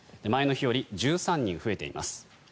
前の日より１３人増えています。